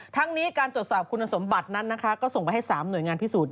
ทั้งนี้การตรวจสอบคุณสมบัตินั้นนะคะก็ส่งไปให้๓หน่วยงานพิสูจน